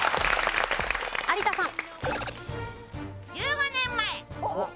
有田さん。